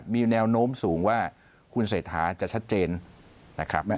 มีแนวโน้มสูงว่าคุณเศรษฐาจะชัดเจนนะครับ